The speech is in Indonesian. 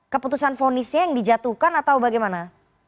keputusan fonisnya yang dijatuhkan atau bagaimana